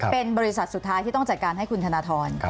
เป็นบริษัทสุดท้ายที่ต้องจัดการให้คุณธนทร